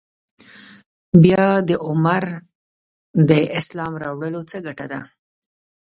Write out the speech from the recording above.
بیا د عمر د اسلام راوړلو څه ګټه ده.